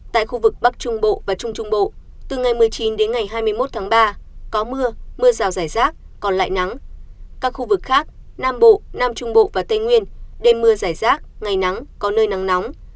tại khu vực bắc trung bộ và trung trung bộ từ ngày một mươi chín đến ngày hai mươi một tháng ba có mưa mưa rào rải rác còn lại nắng các khu vực khác nam bộ nam trung bộ và tây nguyên đêm mưa giải rác ngày nắng có nơi nắng nóng